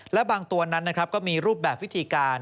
และบางตัวนั้นนะครับก็มีรูปแบบวิธีการ